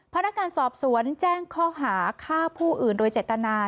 พนักงานสอบสวนแจ้งข้อหาฆ่าผู้อื่นโดยเจตนา